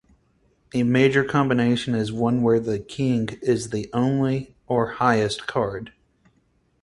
A "major" combination is one where the King is the only or highest card.